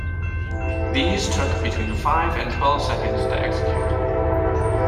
These took between five and twelve seconds to execute.